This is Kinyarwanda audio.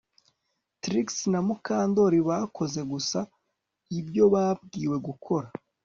Trix na Mukandoli bakoze gusa ibyo babwiwe gukora